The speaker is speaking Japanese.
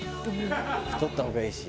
太った方がいいし。